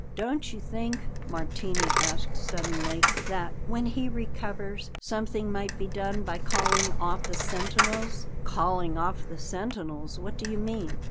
"Don't you think," Martini asked suddenly; "that, when he recovers, something might be done by calling off the sentinels?" "Calling off the sentinels? What do you mean?"